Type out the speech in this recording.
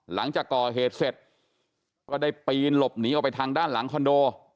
หลังจากก่อเหตุเสร็จก็ได้ปีนหลบหนีออกไปทางด้านหลังคอนโด